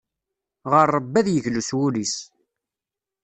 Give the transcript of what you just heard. Ɣer Ṛebbi ad yeglu s wul-is.